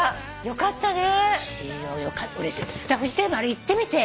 よかったね。